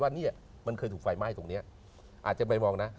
เนี่ยมันเคยถูกไฟไหม้ตรงนี้อาจจะไปมองนะ